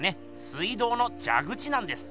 水道のじゃ口なんです。